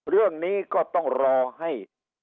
เรื่องนี้ก็ต้องรอให้